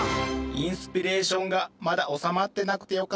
インスピレーションがまだおさまってなくてよかった。